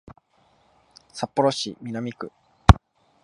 札幌市南区